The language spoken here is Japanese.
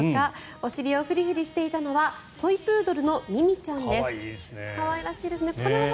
お尻をフリフリしていたのはトイプードルの三海ちゃんです。